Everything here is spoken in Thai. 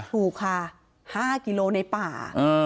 ถูกค่ะ๕กิโลในป่า